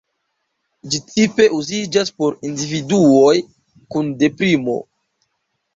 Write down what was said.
Ĝi tipe uziĝas por individuoj kun deprimo.